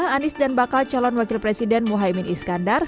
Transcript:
anies dan bakal calon wakil presiden muhaymin iskandar